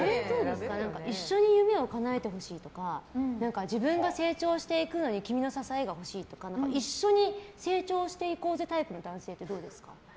一緒に夢をかなえてほしいとか自分が成長していくのに君の支えが欲しいとか一緒に成長していこうぜタイプの男性ってどうですか？